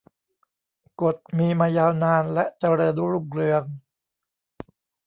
กฎมีมายาวนานและเจริญรุ่งเรือง